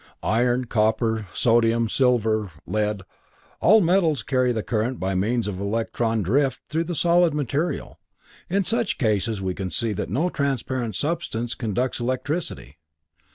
Iron, copper, sodium, silver, lead all metals carry the current by means of electron drift through the solid material. In such cases we can see that no transparent substance conducts electricity.